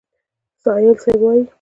سایل صیب وایي: